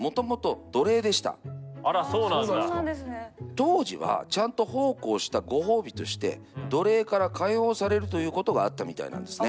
当時はちゃんと奉公したご褒美として奴隷から解放されるということがあったみたいなんですね。